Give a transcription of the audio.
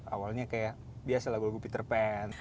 awalnya kayak biasa lagu lagu peter pan